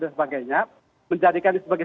dan sebagainya menjadikan ini sebagai